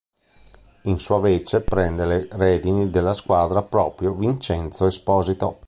In sua vece prende le redini della squadra proprio Vincenzo Esposito.